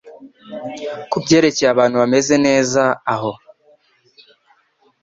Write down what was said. Kubyerekeye abantu bameze neza aho